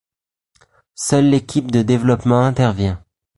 Seule l'équipe de développement intervient.